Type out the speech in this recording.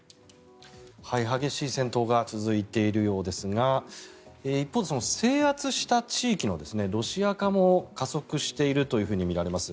激しい戦闘が続いているようですが一方で制圧した地域のロシア化も加速しているというふうにみられます。